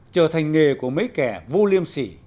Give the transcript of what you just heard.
trở thành nghề của mấy kẻ vô liêm sỉ